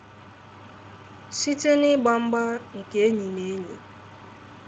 Site n’igba mgba nke enyi na enyi